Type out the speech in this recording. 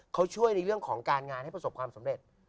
เขาช่วยในเรื่องของการงานให้ประสบความสำเร็จ